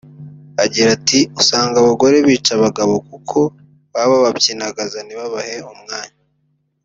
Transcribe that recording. Agira ati “Usanga abagore bica abagabo kuko baba babapyinagaza ntibabahe umwanya